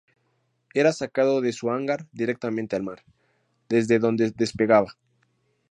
Era sacado de su hangar directamente al mar, desde donde despegaba.